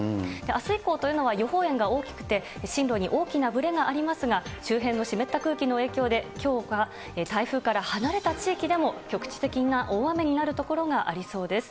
あす以降というのは、予報円が大きくて、進路に大きなぶれがありますが、周辺の湿った空気の影響で、きょうは台風から離れた地域でも、局地的な大雨になる所がありそうです。